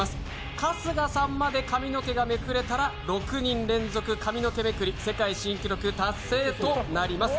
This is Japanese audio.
春日さんまで髪の毛がめくれたら６人連続髪の毛めくり世界新記録達成となります。